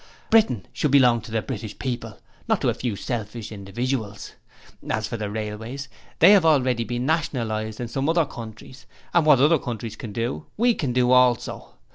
Britain should belong to the British people, not to a few selfish individuals. As for the railways, they have already been nationalized in some other countries, and what other countries can do we can do also.